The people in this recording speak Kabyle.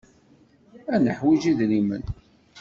Ad neḥwij idrimen.